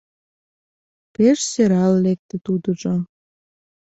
Пеш сӧрал лекте тудыжо.